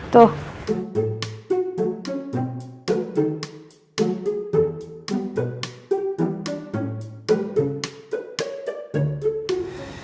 tuh udah di atas